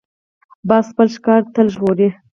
باز خپل ښکار تل وژغوري